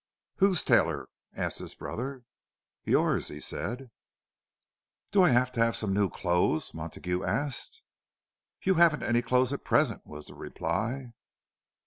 "Whose tailor?" asked his brother. "Yours," said he. "Do I have to have some new clothes?" Montague asked. "You haven't any clothes at present," was the reply.